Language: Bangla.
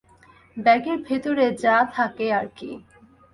ব্যাগের ভেতরে যা থাকে আর কি।